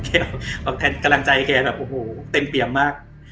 เออแจ๊คบอกแทนกำลังใจแกแบบโอ้โหเต็มเปี่ยมมาก